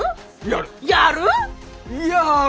やる？